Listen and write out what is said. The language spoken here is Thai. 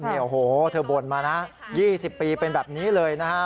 เนี่ยโอ้โหเธอบ่นมาน่ะยี่สิบปีเป็นแบบนี้เลยนะฮะ